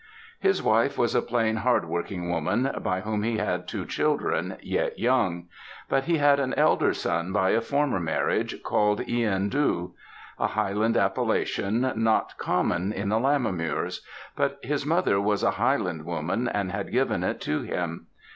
His wife was a plain, hardworking woman, by whom he had two children, yet young; but he had an elder son by a former marriage, called Ihan Dhu; a Highland appellation not common in the Lammermuirs; but his mother was a Highland woman, and had given it to him.